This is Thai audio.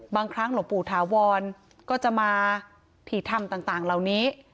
บางครั้งหลวงปู่ถาวรก็จะมาถี่ธรรมต่างเหล่านี้